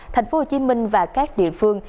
tp hcm và các địa phương